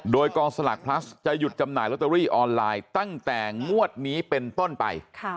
โดยกองสลากพลัสจะหยุดจำหน่ายลอตเตอรี่ออนไลน์ตั้งแต่งวดนี้เป็นต้นไป